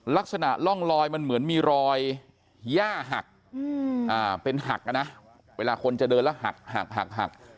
ลักษณะร่องลอยมันเหมือนมีรอยย่าหักเป็นหักนะเวลาคนจะเดินแล้วหักหัก